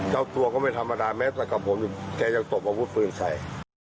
เจ้าตัวก็ไม่ธรรมดาแม้แต่กับผมแกยังตบอาวุธปืนใส่